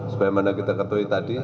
sebagaimana kita ketahui tadi